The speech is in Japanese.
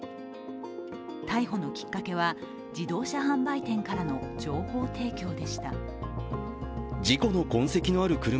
逮捕のきっかけは、自動車販売店からの情報提供でした。